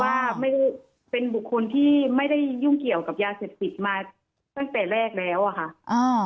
ว่าเป็นบุคคลที่ไม่ได้ยุ่งเกี่ยวกับยาเศรษฐศิลป์มาตั้งแต่แรกแล้วค่ะ